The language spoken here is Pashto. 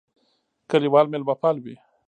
کلیوال مېلمهپاله وي.